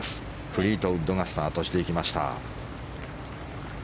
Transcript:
フリートウッドがスタートしていきました。